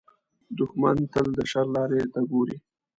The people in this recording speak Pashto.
دښمن تل د شر لارې ته ګوري